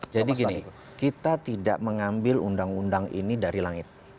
jadi gini kita tidak mengambil undang undang ini dari langit